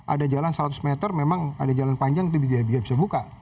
ada jalan seratus meter memang ada jalan panjang tapi dia bisa buka